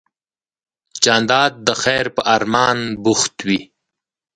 جانداد د خیر په ارمان بوخت وي.